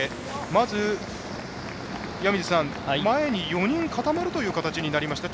まず、前に４人固まる形になりました。